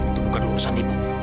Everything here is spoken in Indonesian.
itu bukan urusan ibu